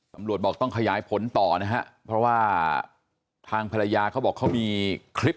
สำรวจบอกต้องขยายผลต่อนะครับเพราะว่าทางภรรยาเขาบอกเขามีคลิปแล้วนะครับ